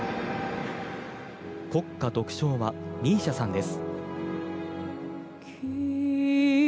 国家独唱はＭＩＳＩＡさんです。